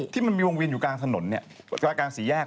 ที่มันมีวงเวียนอยู่กลางถนนกลางสี่แยก